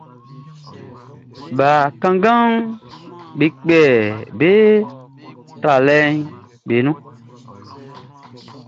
Bakannganʼm be kpɛ be tralɛʼm be nun.